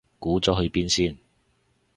估咗去邊先